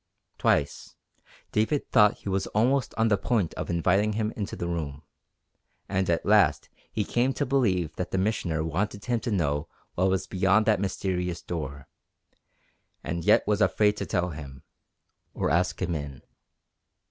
Twice David thought he was almost on the point of inviting him into the room, and at last he came to believe that the Missioner wanted him to know what was beyond that mysterious door, and yet was afraid to tell him, or ask him in.